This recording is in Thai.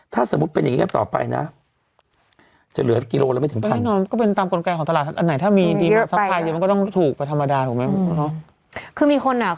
ถ้าสมมุติเป็นอย่างนี้กันต่อไปนะ